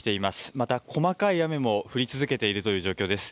また細かい雨も降り続けているという状況です。